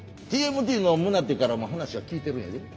ＴＭＴの宗手からも話は聞いてるんやで。